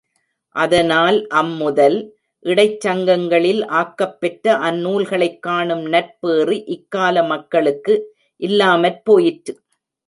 அதனால் அம்முதல், இடைச் சங்கங்களில் ஆக்கப் பெற்ற அந்நூல்களைக் காணும் நற்பேறு இக்கால மக்களுக்கு இல்லாமற் போயிற்று.